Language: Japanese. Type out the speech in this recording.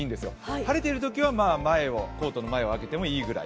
晴れているときはコートの前を開けてもいいぐらい。